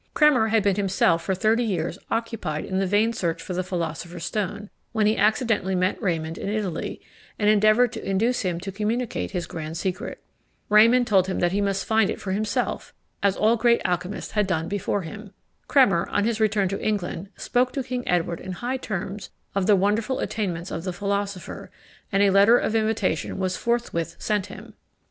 Cremer had been himself for thirty years occupied in the vain search for the philosopher's stone, when he accidentally met Raymond in Italy, and endeavoured to induce him to communicate his grand secret. Raymond told him that he must find it for himself, as all great alchymists had done before him. Cremer, on his return to England, spoke to King Edward in high terms of the wonderful attainments of the philosopher, and a letter of invitation was forthwith sent him.